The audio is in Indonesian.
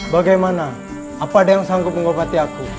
bagaimana apa ada yang sanggup mengobati aku